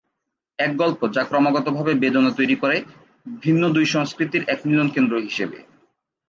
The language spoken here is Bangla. এক গল্প যা ক্রমাগত ভাবে বেদনা তৈরী করে, ভিন্ন দুই সংস্কৃতির এক মিলন কেন্দ্র হিসেবে।